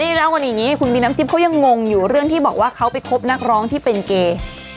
เล่ากันอย่างนี้คุณบีน้ำจิ๊บเขายังงงอยู่เรื่องที่บอกว่าเขาไปคบนักร้องที่เป็นเกย์